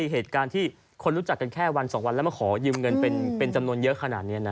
เหตุการณ์ที่คนรู้จักกันแค่วัน๒วันแล้วมาขอยืมเงินเป็นจำนวนเยอะขนาดนี้